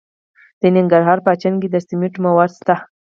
د ننګرهار په اچین کې د سمنټو مواد شته.